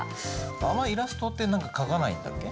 あんまりイラストって何か描かないんだっけ？